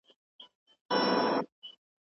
پښتانه د اوبو د اندازې لپاره بېل واحدونه لري.